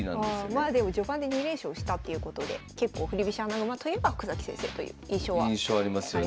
まあでも序盤で２連勝したっていうことで振り飛車穴熊といえば福崎先生という印象はありますね。